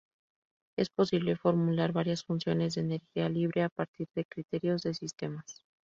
Es posible formular varias funciones de energía libre a partir de criterios de sistemas.